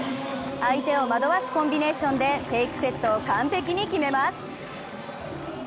相手を惑わすコンビネーションでフェイクセットを完璧に決めます。